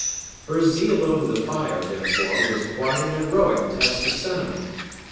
Her zeal over the fire, therefore, was quite an heroic test of sentiment.